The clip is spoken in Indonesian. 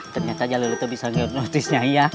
ternyata jalolo itu bisa menghidupkan nyai ya